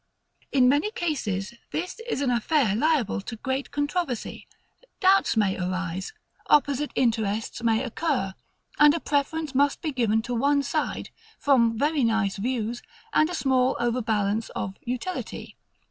In many cases this is an affair liable to great controversy: doubts may arise; opposite interests may occur; and a preference must be given to one side, from very nice views, and a small overbalance of utility.